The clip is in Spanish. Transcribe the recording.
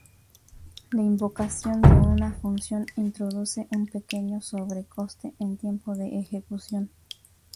La invocación de una función introduce un pequeño sobrecoste en tiempo de ejecución.